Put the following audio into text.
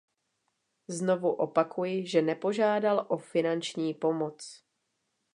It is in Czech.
Znovu opakuji, že nepožádal o finanční pomoc.